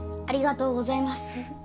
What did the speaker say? ありがとうございます。